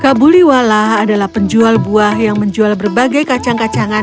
kabuliwalah adalah penjual buah yang menjual berbagai kacang kacangan